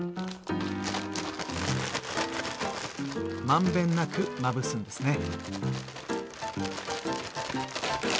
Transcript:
まんべんなくまぶすんですね。